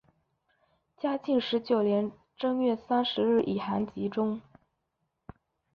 嘉靖十九年正月三十日以寒疾终。